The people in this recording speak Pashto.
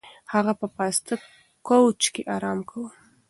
هغه په پاسته کوچ کې ارام کاوه.